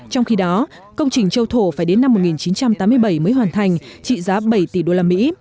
trong khi đó công trình châu thổ phải đến năm một nghìn chín trăm tám mươi bảy mới hoàn thành trị giá bảy tỷ đô la mỹ